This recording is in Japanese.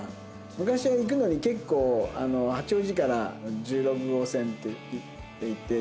昔は行くのに結構八王子から１６号線で行って１２９って。